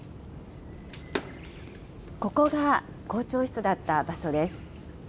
ここが校長室だった場所です。